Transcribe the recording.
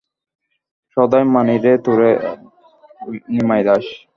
সদাই মানি রে তোরে, নিমাই দাস।